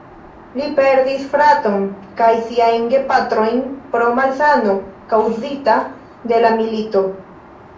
Li perdis fraton kaj siajn gepatrojn pro malsano kaŭzita de la milito.